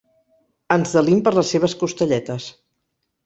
Ens delim per les seves costelletes.